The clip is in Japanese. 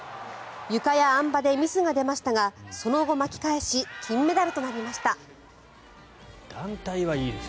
ゆかやあん馬でミスが出ましたがその後、巻き返しカルビーのパリッ！